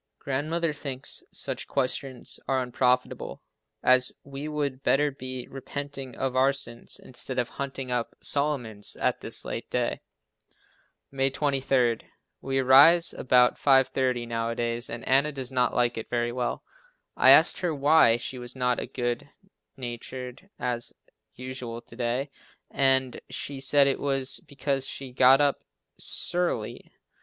Grandmother thinks such questions are unprofitable, as we would better be repenting of our sins, instead of hunting up Solomon's at this late day. May 23. We arise about 5:30 nowadays and Anna does not like it very well. I asked her why she was not as good natured as usual to day and she said it was because she got up "s'urly."